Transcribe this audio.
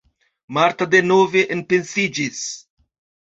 Marta denove enpensiĝis.